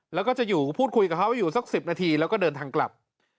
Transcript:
แล้วก็จะอยู่พูดคุยกับเขาอยู่สัก๑๐นาทีแล้วก็เดินทางกลับ